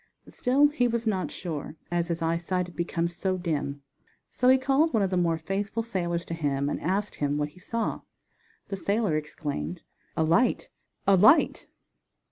Still he was not sure, as his eyesight had become so dim. So he called one of the more faithful sailors to him and asked him what he saw. The sailor exclaimed: "A light, a light!"